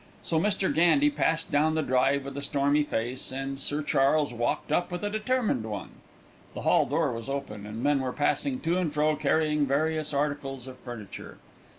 So Mr. Gandy passed down the drive with a stormy face, and Sir Charles walked up with a determined one. The hall door was open, and men were passing to and fro carrying various articles of furniture.